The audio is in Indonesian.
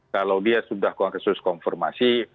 kalau dia sudah konsensus konfirmasi